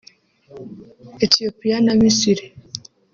Ethiopia na Misiri”